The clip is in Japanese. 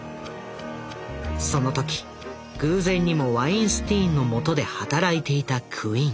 その時偶然にもワインスティーンのもとで働いていたクイン。